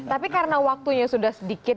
tapi karena waktunya sudah sedikit